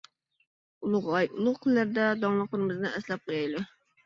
ئۇلۇغ ئاي، ئۇلۇغ كۈنلەردە داڭلىقلىرىمىزنى ئەسلەپ قويايلى.